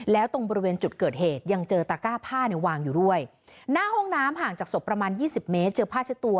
แล้วตรงบริเวณจุดเกิดเหตุยังเจอตะก้าผ้าเนี่ยวางอยู่ด้วยหน้าห้องน้ำห่างจากศพประมาณยี่สิบเมตรเจอผ้าเช็ดตัว